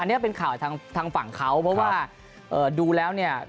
อันนี้เป็นข่าวทางฝั่งเขาเพราะว่าดูแล้วเนี่ย